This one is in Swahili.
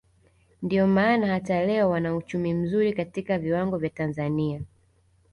Ndio maana hata leo wana uchumi mzuri katika viwango vya Tanzania